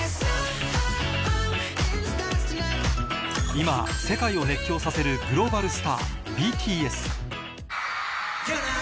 今世界を熱狂させるグローバルスターキョヌォ！